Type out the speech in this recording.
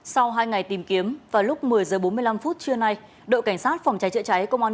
sau hai ngày tìm kiếm vào lúc một mươi h bốn mươi năm phút trưa nay đội cảnh sát phòng cháy chữa cháy công an